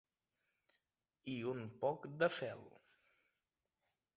I un poc de fel.